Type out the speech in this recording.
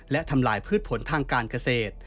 และทำลายพืชผลทางการเกษตร